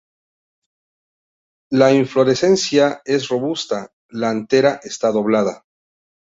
La inflorescencia es robusta, la antera está doblada.